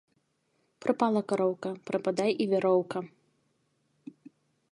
Прапала кароўка, прападай і вяроўка